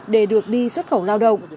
để được đi xuất khẩu lao động